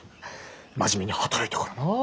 真面目に働いたからな。